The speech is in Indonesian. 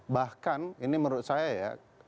bahkan ini menurut saya ya